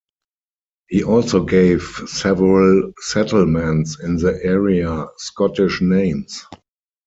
He also gave several settlements in the area Scottish names.